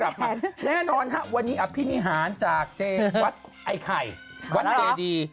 ครับแน่นอนฮะวันนี้อภินิหารจากเจวัดไอ้ไข่วัดเจดี